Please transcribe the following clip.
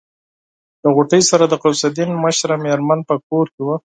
له غوټۍ سره د غوث الدين مشره مېرمن په کور کې وه.